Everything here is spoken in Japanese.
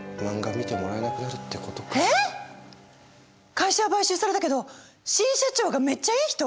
会社は買収されたけど新社長がめっちゃいい人？